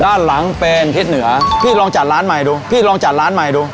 ด้านหลังเป็นทิศเหนือพี่ลองจัดร้านใหม่ดูพี่ลองจัดร้านใหม่ดู